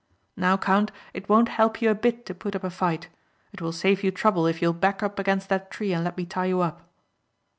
Now count, it won't help you a bit to put up a fight. It will save you trouble if you'll back up against that tree and let me tie you up."